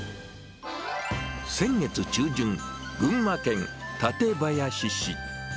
先月中旬、群馬県館林市。